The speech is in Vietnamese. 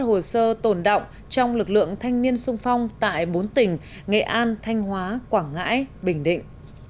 hồ sơ tồn động trong lực lượng thanh niên sung phong tại bốn tỉnh nghệ an thanh hóa quảng ngãi bình định